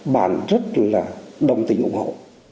bản rất là đồng tình ủng hộ